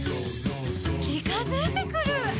「ちかづいてくる！」